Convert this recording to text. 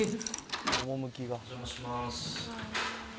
お邪魔します。